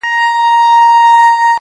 دا چا ويله چي باڼه چي په زړه بد لگيږي